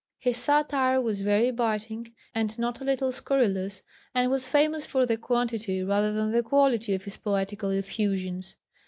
His satire was very biting and not a little scurrilous, and was famous for the quantity rather than the quality of his poetical effusions.